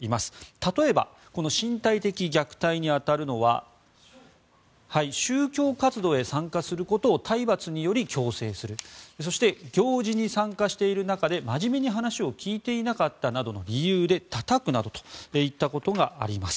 例えばこの身体的虐待に当たるのは宗教活動へ参加することを体罰により強制するそして、行事に参加している中で真面目に話を聞いていなかったなどの理由でたたくなどといったことがあります。